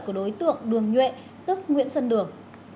của đối tượng đường nhuệ tức nguyễn xuân đường